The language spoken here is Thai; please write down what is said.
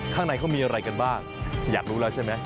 ข้างในเขามีอะไรกันบ้างอยากรู้แล้วใช่ไหม